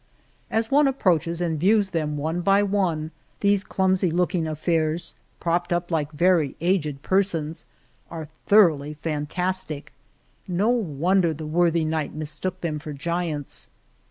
As one approaches and views them one by one, these clumsy looking affairs, propped up like very aged persons, are thoroughly fantastic. No wonder the worthy knight mistook them for giants